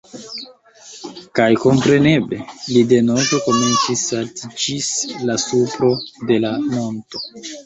Kaj kompreneble, li denove komencis salti ĝis la supro de la monto.